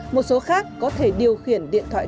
một số khác có thể điều khiển điện thoại